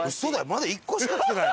まだ１個しか進んでない。